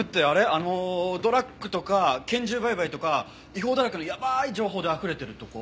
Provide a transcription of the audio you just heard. あのドラッグとか拳銃売買とか違法だらけのやばい情報であふれてるとこ？